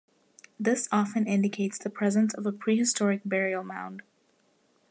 This often indicates the presence of a prehistoric burial mound.